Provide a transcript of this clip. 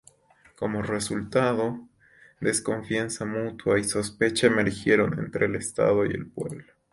Como resultado, desconfianza mutua y sospecha emergieron entre el Estado y el Pueblo.